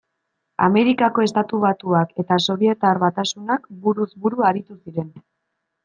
Amerikako Estatu Batuak eta Sobietar Batasunak buruz buru aritu ziren.